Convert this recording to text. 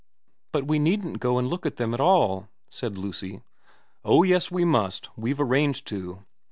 1 But we needn't go and look at them all,' said Lucy. * Oh yes we must. We've arranged to.'